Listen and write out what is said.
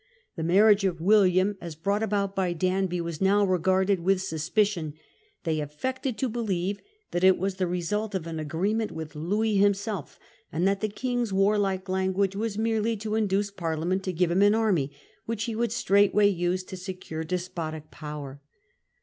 The marriage of William, as brought about by Danby, was now regarded with suspicion ; they affected to believe that it was the re sult of an agreement with Louis himself, and that the King's warlike language was merely to induce Parlia ment to give him an army, which he would straightway use to secure despotic power.